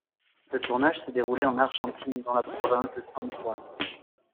Le tournage s'est déroulé en Argentine dans la province de San Juan.